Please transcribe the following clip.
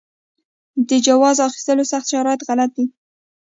د جواز اخیستلو سخت شرایط غلط دي.